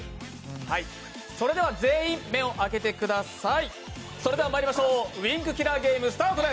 それでは全員、目を開けてください。